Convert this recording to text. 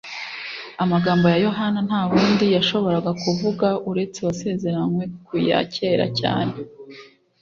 Amagambo ya Yohana nta wundi yashoboraga kuvuga uretse Uwasezeranywe kuya kera cyane.